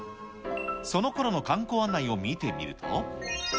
そのころの観光案内を見てみると。